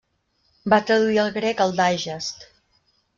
Va traduir al grec el Digest.